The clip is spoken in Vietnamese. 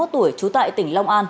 ba mươi một tuổi trú tại tỉnh long an